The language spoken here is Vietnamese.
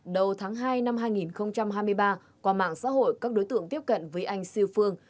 đầu tháng hai năm hai nghìn hai mươi ba qua mạng xã hội các đối tượng tiếp cận với anh siêu phương